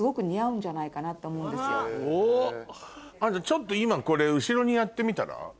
あんたちょっと今これ後ろにやってみたら？